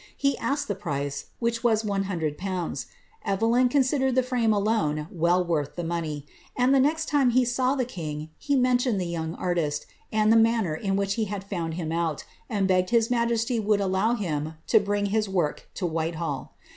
He asked the price, which was 100/. Evelyn considered 10 frame alone well worth the money ; and the next time he saw the iBg he mentioned the young artist, and the manner in which he had luod hiin out, and begged his majesty would allow him to bring his rork to Whitehall.